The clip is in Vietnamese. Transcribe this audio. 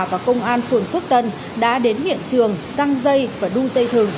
và công an phường phước tân đã đến hiện trường răng dây và đu dây thừng